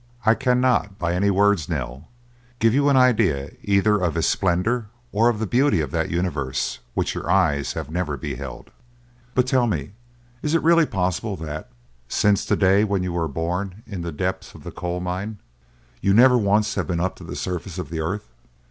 "I cannot by any words, Nell, give you an idea either of his splendor or of the beauty of that universe which your eyes have never beheld. But tell me, is it really possible that, since the day when you were born in the depths of the coal mine, you never once have been up to the surface of the earth?"